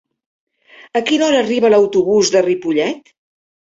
A quina hora arriba l'autobús de Ripollet?